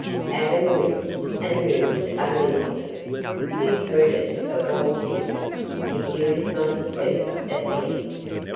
(Adam winced and moved uneasily; he dreaded, of all things, to hear his mother speak of Hetty.)